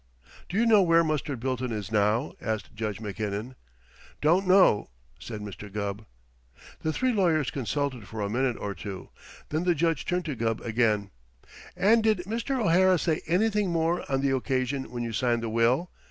"Do you know where Mustard Bilton is now?" asked Judge Mackinnon. "Don't know," said Mr. Gubb. The three lawyers consulted for a minute or two. Then the Judge turned to Gubb again. "And did Mr. O'Hara say anything more on the occasion when you signed the will?"